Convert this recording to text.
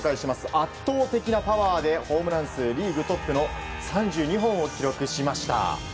圧倒的なパワーでホームラン数リーグトップの３２本を記録しました。